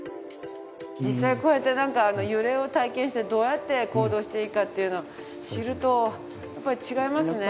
実際こうやって揺れを体験してどうやって行動していいかっていうのを知るとやっぱり違いますね。